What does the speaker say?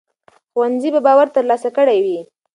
ښوونځي به باور ترلاسه کړی وي.